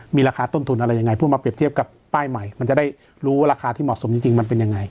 มีราคาต้นทุนอะไรยังไงเพื่อมาเปรียบเทียบกับป้ายใหม่มันจะได้รู้ราคาที่เหมาะสมจริงมันเป็นยังไง